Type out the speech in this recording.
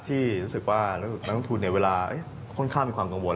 ที่ศีลทรัพย์ในเวลาให้ข้อนข้ามนี่ความกังวล